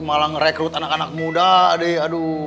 malah ngerekrut anak anak muda aduh